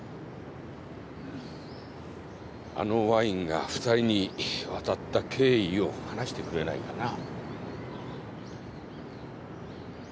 あのワインが２人に渡った経緯を話してくれないかな。